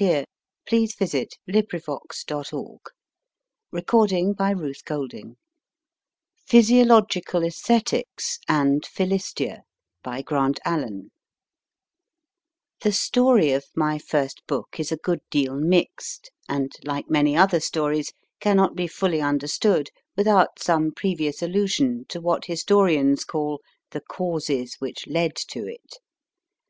I heartily wish success to his efforts. \ u^U 43 PHYSIOLOGICAL ESTHETICS AND PHILISTIA BY GRANT ALLEN THE story of my first book is a good deal mixed, and, like many other stories, cannot be fully understood without some previous allusion to what historians call the causes which led to it.